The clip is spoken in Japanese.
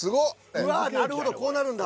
うわなるほどこうなるんだ。